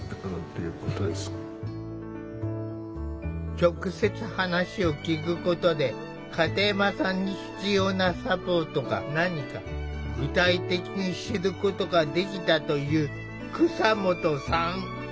直接話を聞くことで片山さんに必要なサポートが何か具体的に知ることができたという蒼下さん。